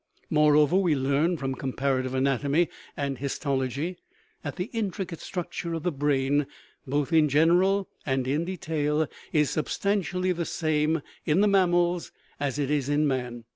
Moreover, we learn from comparative anatomy and his tology that the intricate structure of the brain (both in general and in detail) is substantially the same in the mammals as it is in man.